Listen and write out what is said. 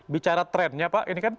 bicara trendnya pak ini kan